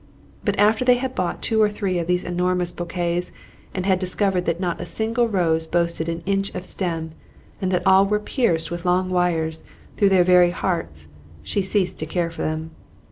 But after they had bought two or three of these enormous bouquets, and had discovered that not a single rose boasted an inch of stem, and that all were pierced with long wires through their very hearts, she ceased to care for them.